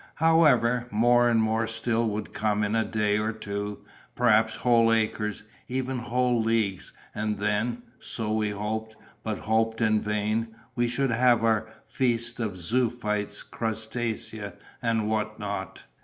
However, more and more still would come in a day or two, perhaps whole acres, even whole leagues, and then (so we hoped, but hoped in vain) we should have our feast of zoöphytes, crustacea, and what not.